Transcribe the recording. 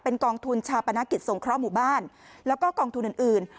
เป็นกองทุนชาปนากิตส่งเคราะห์หมู่บ้านกองทุนอื่น